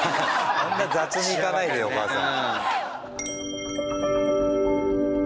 あんな雑にいかないでよお母さん。